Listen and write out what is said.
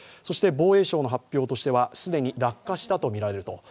そして防衛省の発表としては、既に落下したとみられると。